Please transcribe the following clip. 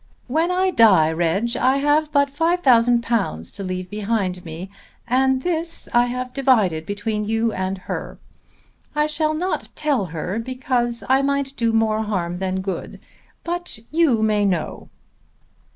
"When I die, Reg, I have but £5,000 to leave behind me, and this I have divided between you and her. I shall not tell her because I might do more harm than good. But you may know."